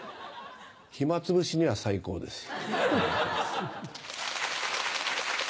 暇つぶしには最高です好楽です。